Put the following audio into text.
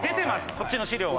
こっちの資料は。